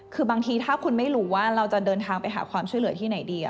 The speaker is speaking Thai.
คือบางทีถ้าคุณไม่รู้ว่าเราจะเดินทางไปหาความช่วยเหลือที่ไหนดี